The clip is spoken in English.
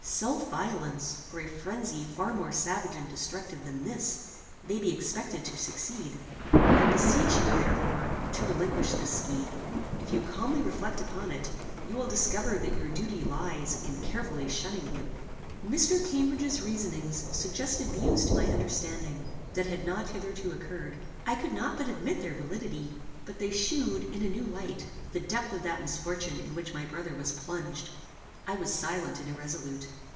Self violence, or a phrenzy far more savage and destructive than this, may be expected to succeed. I beseech you, therefore, to relinquish this scheme. If you calmly reflect upon it, you will discover that your duty lies in carefully shunning him." Mr. Cambridge's reasonings suggested views to my understanding, that had not hitherto occurred. I could not but admit their validity, but they shewed, in a new light, the depth of that misfortune in which my brother was plunged. I was silent and irresolute.